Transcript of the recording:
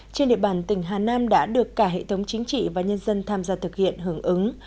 trên địa bàn tỉnh hà nam đã được cả hệ thống chính trị và nhân dân tham gia thực hiện hưởng ứng